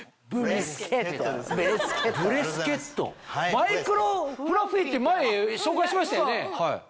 マイクロフラッフィーって前紹介しましたよね？